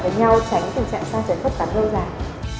với nhau tránh tình trạng sang trấn khớp cắn lâu dài